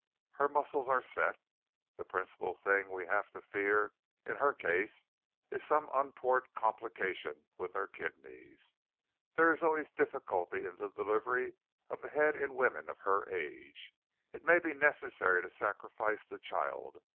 Her muscles are set. The principal thing we have to fear in her case is some untoward complication with her kidneys. There is always difficulty in the delivery of the head in women of her age. It may be necessary to sacrifice the child.